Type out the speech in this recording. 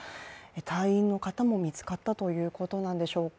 隊員の方も見つかったということなんでしょうか。